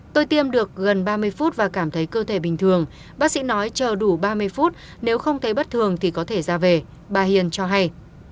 tôi tiêm được gần ba mươi phút và cảm thấy cơ thể bình thường bác sĩ nói chờ đủ ba mươi phút nếu không thấy bất thường thì có thể ra về bà hiền cho hay